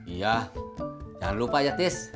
iya jangan lupa ya tis